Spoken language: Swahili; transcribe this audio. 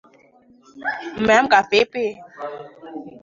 Umeamka vipi?